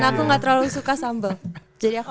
aku nggak terlalu suka sambal jadi aku